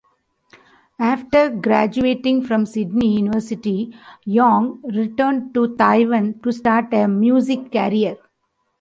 After graduating from Sydney University, Yang returned to Taiwan to start a music career.